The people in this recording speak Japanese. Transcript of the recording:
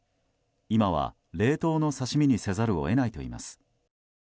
今は、冷凍の刺し身にせざるを得ないといいます。